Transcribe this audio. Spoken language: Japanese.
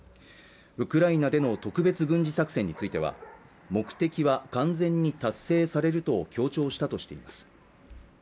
ウクライナでの特別軍事作戦については目的は完全に達成されると強調したとしています